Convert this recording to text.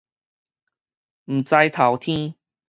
毋知頭天